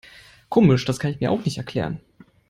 Komisch, das kann ich mir auch nicht erklären.